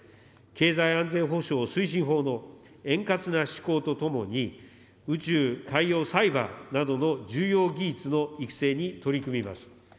経済安全保障推進法の円滑な施行とともに、宇宙、海洋、サイバーなどの重要技術の育成に取り組みます。